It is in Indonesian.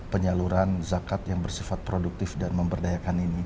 penyaluran zakat yang bersifat produktif dan bergantung kepada keuntungan